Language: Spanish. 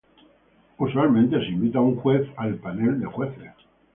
Usualmente al panel de jueces, se invita a un juez.